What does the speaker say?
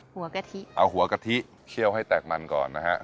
กะทิเอาหัวกะทิเคี่ยวให้แตกมันก่อนนะฮะ